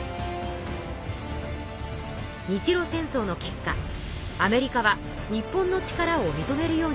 日露戦争の結果アメリカは日本の力をみとめるようになっていました。